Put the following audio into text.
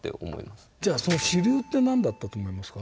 じゃあその主流って何だったと思いますか？